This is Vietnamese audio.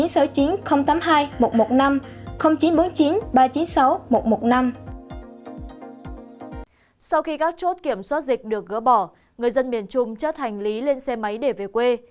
sau khi các chốt kiểm soát dịch được gỡ bỏ người dân miền trung chốt hành lý lên xe máy để về quê